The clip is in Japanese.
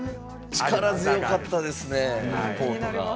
力強かったですね。